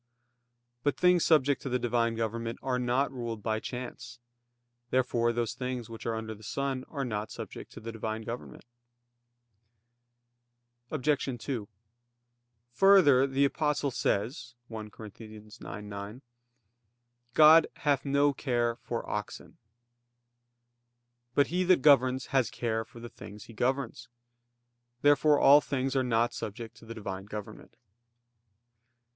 But things subject to the Divine government are not ruled by chance. Therefore those things which are under the sun are not subject to the Divine government. Obj. 2: Further, the Apostle says (1 Cor. 9:9): "God hath no care for oxen." But he that governs has care for the things he governs. Therefore all things are not subject to the Divine government.